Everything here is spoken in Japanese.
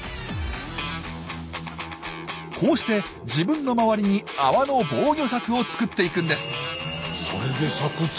こうして自分の周りに泡の防御柵を作っていくんです。